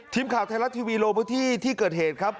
ทีมข่าวไทยรัฐทีวีลงพื้นที่ที่เกิดเหตุครับ